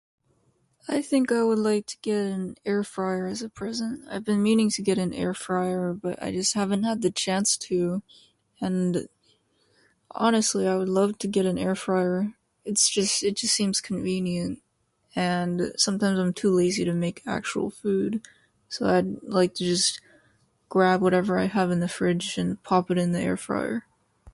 I think I would like to get an air fryer as a present. I've been meaning to get an air fryer, but I just haven't had the chance to. And honestly, I would love to get an air fryer. It's just it just seems convenient and sometimes I'm too lazy to make actual food. So I'd like to just grab whatever I have in the fridge and pop it in the air fryer.